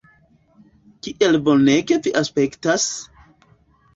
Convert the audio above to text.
Kiel bonege vi aspektas!